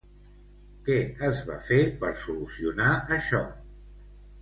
Què es va fer per solucionar això?